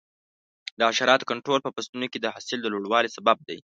د حشراتو کنټرول په فصلونو کې د حاصل د لوړوالي سبب دی.